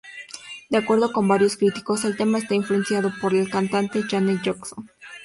De acuerdo con varios críticos, el tema está influenciado por la cantante Janet Jackson.